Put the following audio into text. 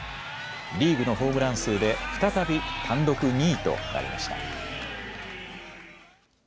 リーグのホームラン数で再び単独２位となりました。